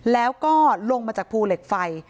แล้วก็ลงมาจากภูเหล็กไฟ